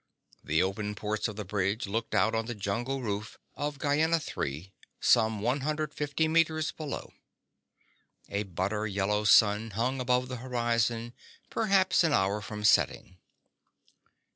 The open ports of the bridge looked out on the jungle roof of Gienah III some one hundred fifty meters below. A butter yellow sun hung above the horizon, perhaps an hour from setting.